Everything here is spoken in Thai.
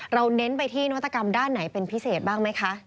เน้นไปที่นวัตกรรมด้านไหนเป็นพิเศษบ้างไหมคะ